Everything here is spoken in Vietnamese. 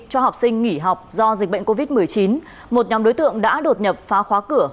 cho học sinh nghỉ học do dịch bệnh covid một mươi chín một nhóm đối tượng đã đột nhập phá khóa cửa